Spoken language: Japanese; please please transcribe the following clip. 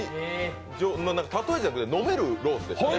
たとえじゃなくて飲めるロースでしたね。